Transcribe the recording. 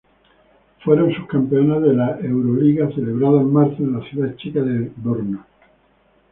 Fueron subcampeonas de la Euroliga celebrada en marzo en la ciudad Checa de Brno.